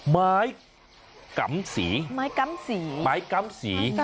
ไม้กำสีไม้กำสีไม้กำสี